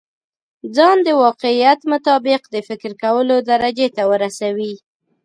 ځان د واقعيت مطابق د فکر کولو درجې ته ورسوي.